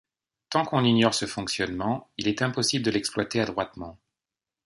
Tant qu'on ignore ce fonctionnement, il est impossible de l'exploiter adroitement.